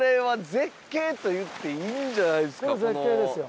絶景ですよ。